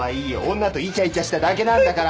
女とイチャイチャしただけなんだから！